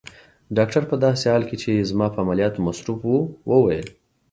ډاکټر په داسې حال کې چي زما په عملیاتو مصروف وو وویل.